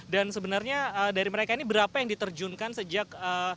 dan sebenarnya dari mereka ini berapa yang diterjunkan sejak